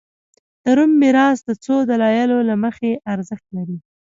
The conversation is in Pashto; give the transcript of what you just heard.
د روم میراث د څو دلایلو له مخې ارزښت لري